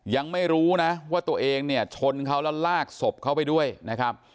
ยังไม่รู้นะว่าตัวเองเนี่ยชนเขาแล้วลากศพเขาไปด้วยนะครับ